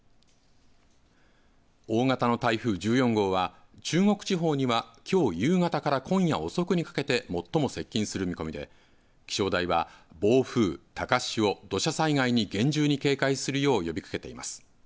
大型の台風１４号は中国地方にはきょう夕方から今夜遅くにかけて最も接近する見込みで気象台は暴風、高潮、土砂災害に厳重に警戒するよう呼びかけています。